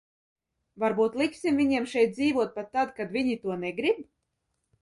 Varbūt liksim viņiem šeit dzīvot pat tad, kad viņi to negrib?